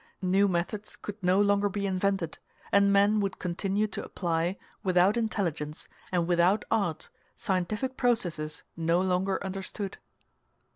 New methods could no longer be invented, and men would continue to apply, without intelligence, and without art, scientific processes no longer understood.